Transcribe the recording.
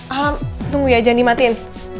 alam tunggu ya jangan nimatin